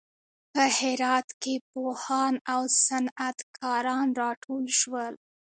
په هرات کې پوهان او صنعت کاران راټول شول.